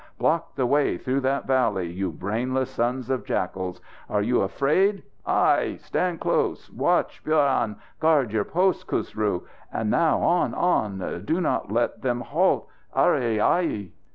Block the way through that valley, you brainless sons of jackals! Are you afraid? Ai! Stand close! Watch, Puran! Guard your post, Khusru! Now on, on do not let them halt! _Arre! Aihai!